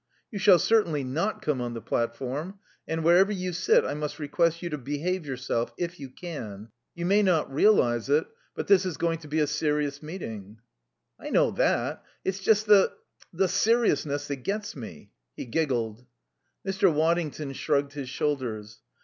"You shall certainly not come on the platform. And wherever you sit I must request you to behave yourself if you can. You may not realize it, but this is going to be a serious meeting." "I know that. It's just the the seriousness that gets me." He giggled. Mr. Waddington shrugged his shoulders.